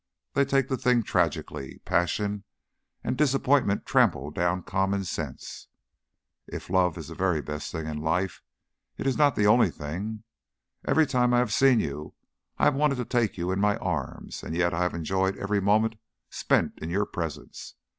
They take the thing tragically; passion and disappointment trample down common sense. If love is the very best thing in life, it is not the only thing. Every time I have seen you I have wanted to take you in my arms, and yet I have enjoyed every moment spent in your presence.